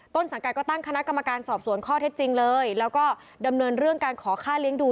สังกัดก็ตั้งคณะกรรมการสอบสวนข้อเท็จจริงเลยแล้วก็ดำเนินเรื่องการขอค่าเลี้ยงดู